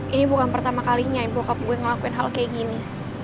ini bukan pertama kalinya ibu ngelakuin hal kayak gini